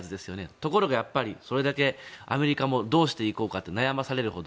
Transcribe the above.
ところがやっぱりそれだけアメリカもどうして行こうかって悩まされるほど。